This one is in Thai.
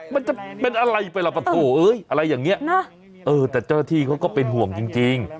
มันจะเป็นอะไรไปล่ะปะโถเอ้ยอะไรอย่างนี้แต่เจ้าหน้าที่เขาก็เป็นห่วงจริง